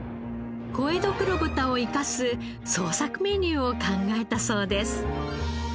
小江戸黒豚を生かす創作メニューを考えたそうです。